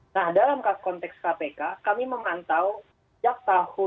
nah dalam konteks kpk kami memantau sejak tahun